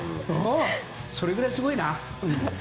それぐらいすごいな。